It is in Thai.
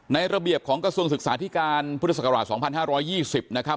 ในระเบียบของกระทรวงศึกษาธิการพุทธศักราชสองพันห้าร้อยยี่สิบนะครับ